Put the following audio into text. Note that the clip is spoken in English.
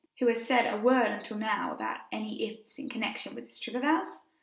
Who has said a word until now about any ifs in connection with this trip of ours?